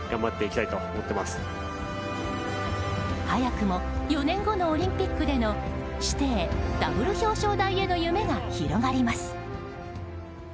早くも４年後のオリンピックでの師弟ダブル表彰台への夢が広がります。